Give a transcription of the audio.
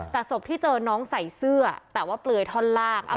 แต่ศพที่เจอน้องใส่เสื้อแต่ว่าเปลือยท่อนล่าง